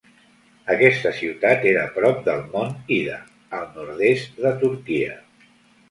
Aquesta ciutat era prop del Mont Ida, al nord-est de Turquia.